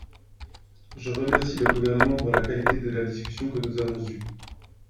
Je remercie le Gouvernement pour la qualité de la discussion que nous avons eue.